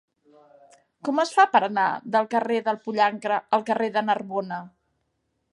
Com es fa per anar del carrer del Pollancre al carrer de Narbona?